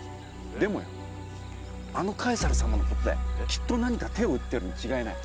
でもよあのカエサル様のことだよきっと何か手を打ってるに違いない。